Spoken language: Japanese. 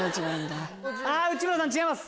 内村さん違います。